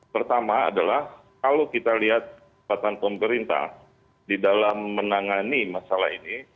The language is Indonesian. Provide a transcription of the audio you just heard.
pertama adalah kalau kita lihat kekuatan pemerintah di dalam menangani masalah ini